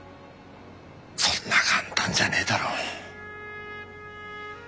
そんな簡単じゃねえだろ。